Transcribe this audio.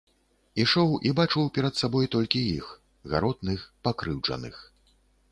Ішоў і бачыў перад сабой толькі іх, гаротных, пакрыўджаных.